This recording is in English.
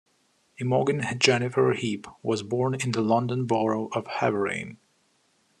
Imogen Jennifer Heap was born in the London Borough of Havering.